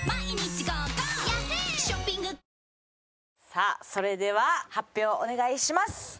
さあそれでは発表お願いします。